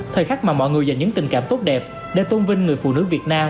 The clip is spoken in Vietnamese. thời khắc mà mọi người dành những tình cảm tốt đẹp để tôn vinh người phụ nữ việt nam